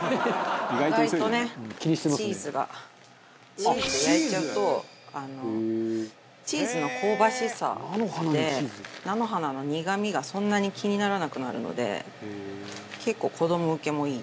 チーズで焼いちゃうとチーズの香ばしさで菜の花の苦みがそんなに気にならなくなるので結構子ども受けもいい。